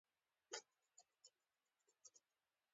استاد د شاګرد لپاره الهامبخش شخصیت وي.